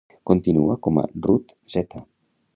Continua com a Route Z.